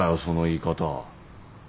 その言い方。